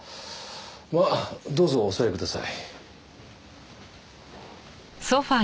まあどうぞお座りください。